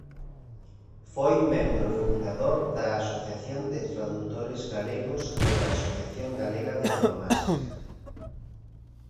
Foi membro fundador da Asociación de Tradutores Galegos e da Asociación Galega de Onomástica.